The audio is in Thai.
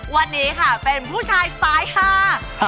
วันนี้ค่ะเป็นผู้ชายสายห้า